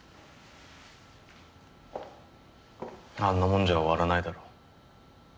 あんなもんじゃ終わらないだろう。